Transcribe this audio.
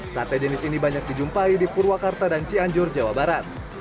sate jenis ini banyak dijumpai di purwakarta dan cianjur jawa barat